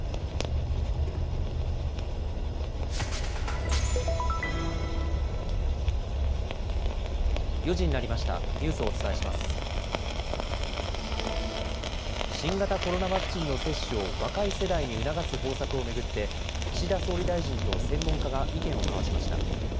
新型コロナワクチンの接種を若い世代に促す方策を巡って岸田総理大臣と専門家が意見を交わしました。